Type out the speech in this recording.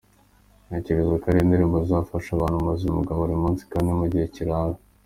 Ntekereza ari indirimbo zizafasha abantu mu buzima bwa buri munsi kandi mu gihe kirambye.